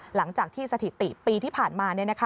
หลังจากที่สถิติปีที่ผ่านมา